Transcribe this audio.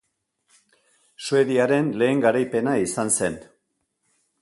Suediaren lehen garaipena izan zen.